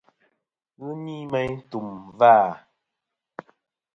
Ghɨ ni meyn tùm vâ.